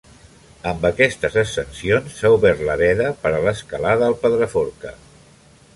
Amb aquestes ascensions s'ha obert la veda per a l'escalada al Pedraforca.